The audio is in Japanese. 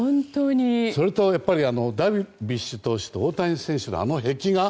それと、ダルビッシュ投手と大谷選手のあの壁画。